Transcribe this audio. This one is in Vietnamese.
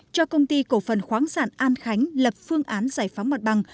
cho công ty cổ phần khoáng sản an khánh lập phương án giải phóng mặt bằng